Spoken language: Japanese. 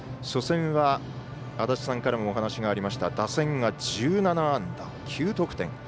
初戦は足達さんからもお話がありました打線が１７安打、９得点。